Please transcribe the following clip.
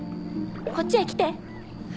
こっちへ来て。